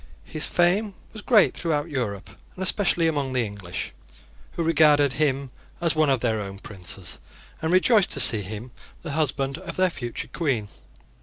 His fame was great throughout Europe, and especially among the English, who regarded him as one of their own princes, and rejoiced to see him the husband of their future Queen.